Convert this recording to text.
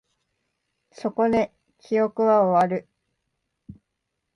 そこで、記憶は終わる